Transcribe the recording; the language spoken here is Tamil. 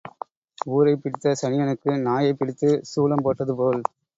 ஊரைப் பிடித்த சனியனுக்கு நாயைப் பிடித்துக் சூலம் போட்டது போல்.